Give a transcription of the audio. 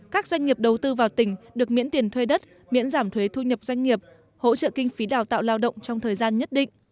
các doanh nghiệp đầu tư vào tỉnh được miễn tiền thuê đất miễn giảm thuế thu nhập doanh nghiệp hỗ trợ kinh phí đào tạo lao động trong thời gian nhất định